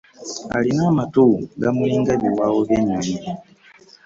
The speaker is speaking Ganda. Alina amatu gamulinga ebiwoowa by'enyonyi.